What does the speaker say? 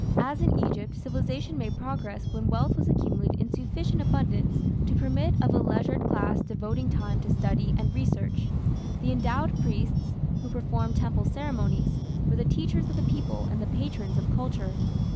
As in Egypt, civilization made progress when wealth was accumulated in sufficient abundance to permit of a leisured class devoting time to study and research. The endowed priests, who performed temple ceremonies, were the teachers of the people and the patrons of culture.